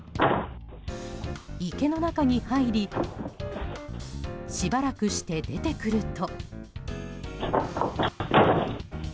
池の中に入りしばらくして、出てくると。